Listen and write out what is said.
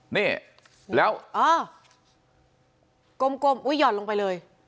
นี่แล้วอ๋อกลมอุ๊ยหย่อนลงไปเลย